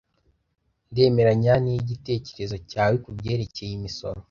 ndemeranya nigitekerezo cyawe kubyerekeye imisoro